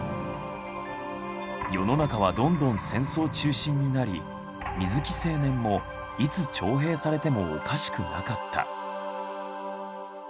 世の中はどんどん戦争中心になり水木青年もいつ徴兵されてもおかしくなかった。